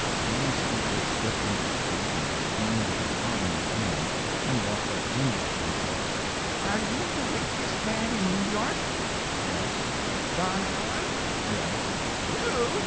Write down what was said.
Then the speaker stepped into the street and returned with his hat in his hand, and walked up gingerly and said: "Are you the wickedest man in New York?" "Yes." "John Allen?" "Yes." "You?"